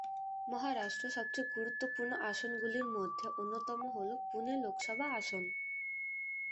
মহারাষ্ট্র সবচেয়ে গুরুত্বপূর্ণ আসনগুলির মধ্যে অন্যতম হল পুনে লোকসভা আসন।